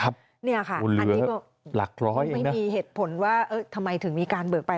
อันนี้ไม่มีเหตุผลว่าทำไมถึงมีการเบิกไป